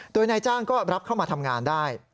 โดยนายจ้างก็รับเข้ามาทำงานได้